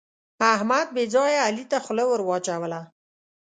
احمد بې ځایه علي ته خوله ور واچوله.